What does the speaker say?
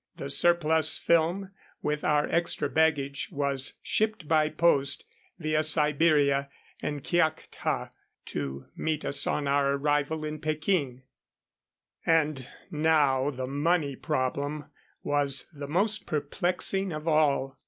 The surplus film, with our extra baggage, was shipped by post, via Siberia and Kiakhta, to meet us on our arrival in Peking. And now the money problem was the most perplexing of all.